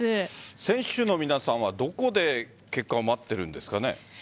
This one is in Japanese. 選手の皆さんはどこで結果を待っているんですかね。